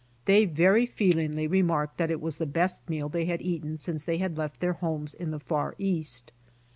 They very feelingly remarked that it was the best meal they had eaten since they had left their homes in the far East.